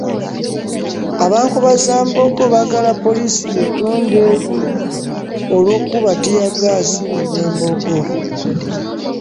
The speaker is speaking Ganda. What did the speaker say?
Aba Nkobazambogo baagala poliisi yeetonde olw'okuba ttiiyaggaasi mu b'e Mbogo